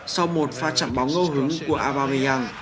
sau một pha chạm bóng ngô hứng của aubameyang